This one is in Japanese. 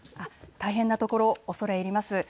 大変なところ、恐れ入ります。